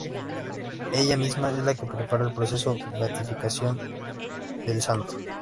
Ella misma es la que prepara el proceso de beatificación del Santo.